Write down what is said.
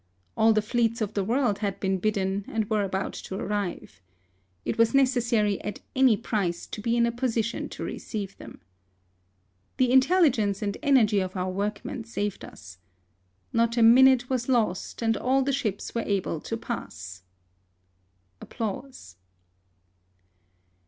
All the fleets of the world had been bidden, and were about to arrive. It was necessary at any price to be in a posi tion to receive them. The intelligence and energy of our workmen saved us. Not a minute was lost, and all the ships were able to pass.